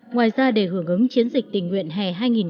ngoài ra để hưởng ứng chiến dịch tình nguyện hè hai nghìn một mươi chín